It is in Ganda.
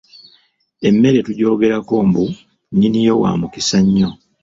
Emmere tugyogerako mbu nnyiniyo wa mukisa nnyo.